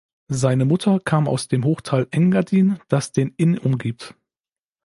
Seine Mutter kam aus dem Hochtal Engadin, das den Inn umgibt.